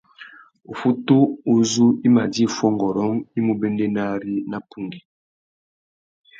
Uffutu uzú i mà djï fuongôrông i mú béndénari nà pungüi.